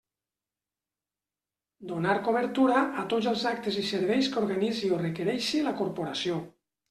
Donar cobertura a tots els actes i serveis que organitzi o requereixi la corporació.